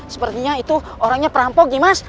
sepertinya itu orangnya perampok gimas